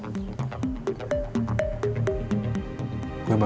turns dia kebengar